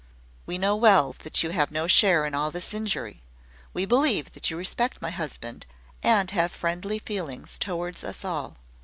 "We know well that you have no share in all this injury: we believe that you respect my husband, and have friendly feelings towards us all.